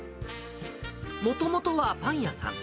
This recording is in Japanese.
もともとはパン屋さん。